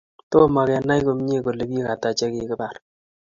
Tomo Kenai komie kole bik Ata che kikibar